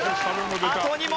あと２問。